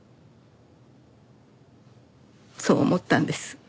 そう思ったんです。